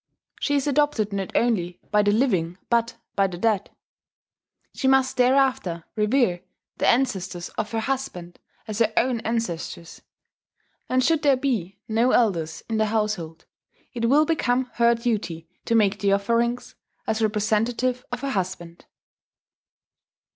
She is adopted not only by the living but by the dead; she must thereafter revere the ancestors of her husband as her own ancestors; and should there be no elders in the household, it will become her duty to make the offerings, as representative of her husband.